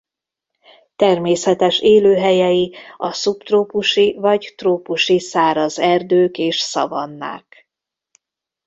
Természetes élőhelyei a szubtrópusi vagy trópusi száraz erdők és szavannák.